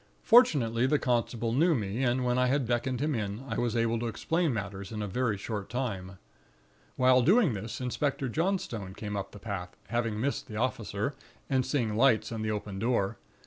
Fortunately the constable knew me, and when I had beckoned him in, I was able to explain matters in a very short time. While doing this, Inspector Johnstone came up the path, having missed the officer, and seeing lights and the open door.